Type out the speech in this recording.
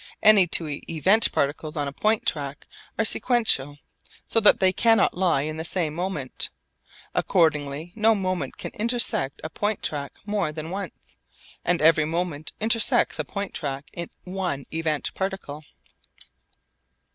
Any two event particles on a point track are sequential, so that they cannot lie in the same moment. Accordingly no moment can intersect a point track more than once, and every moment intersects a point track in one event particle.